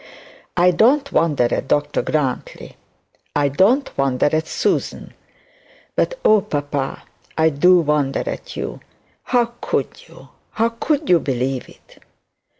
I don't wonder at Dr Grantly; I don't wonder at Susan; but, oh, papa, I do wonder at you. How could you, how could you believe it?'